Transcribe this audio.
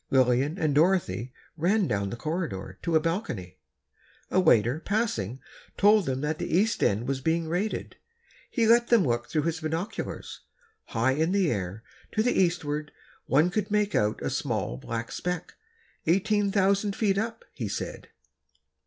Lillian and Dorothy ran down the corridor, to a balcony. A waiter, passing, told them that the East End was being raided. He let them look through his binoculars. High in the air, to the eastward, one could make out a small, black speck—eighteen thousand feet up, he said.